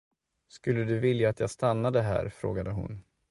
Skulle du vilja att jag stannade här. frågade hon.